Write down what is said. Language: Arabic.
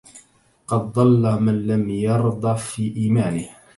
قد ضل من لم يرض في إيمانه